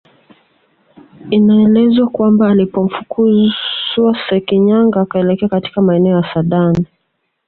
Inaelezwa kwamba alipomfukuzwa Sekinyaga akaelekea katika maeneo ya Sadani